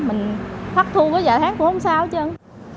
mình thoát thu có vài tháng cũng không sao hết trơn